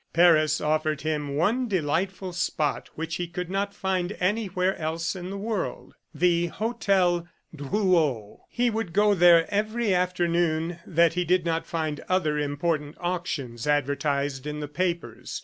Paris offered him one delightful spot which he could not find anywhere else in the world the Hotel Drouot. He would go there every afternoon that he did not find other important auctions advertised in the papers.